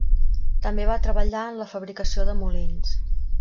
També va treballar en la fabricació de molins.